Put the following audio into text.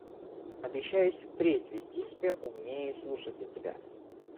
Обещаюсь вперед вести себя умнее и слушаться тебя.